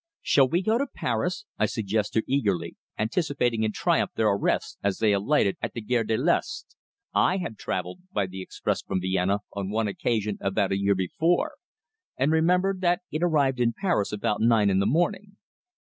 "Shall we go to Paris," I suggested eagerly, anticipating in triumph their arrest as they alighted at the Gare de l'Est. I had travelled by the express from Vienna on one occasion about a year before, and remembered that it arrived in Paris about nine o'clock in the morning.